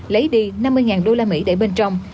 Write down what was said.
lấy đi năm mươi usd để bên trong